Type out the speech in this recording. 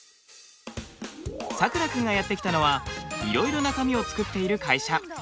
さくら君がやって来たのはいろいろな紙を作っている会社。